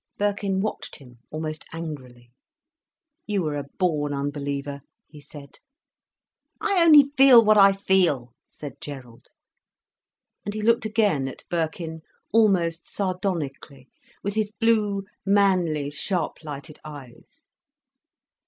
Birkin watched him almost angrily. "You are a born unbeliever," he said. "I only feel what I feel," said Gerald. And he looked again at Birkin almost sardonically, with his blue, manly, sharp lighted eyes.